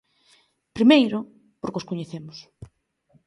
Primeiro, porque os coñecemos.